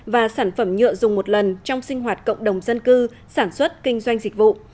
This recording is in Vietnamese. và sản phẩm nhựa dùng một lần trong sinh hoạt cộng đồng dân cư sản xuất kinh doanh dịch vụ